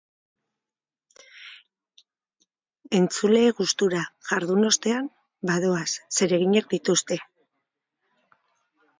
Entzule gustura jardun ostean, badoaz, zereginak dituzte.